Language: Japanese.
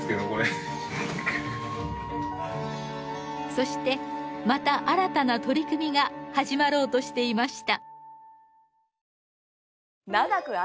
そしてまた新たな取り組みが始まろうとしていました。